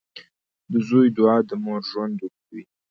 • د زوی دعا د مور ژوند اوږدوي.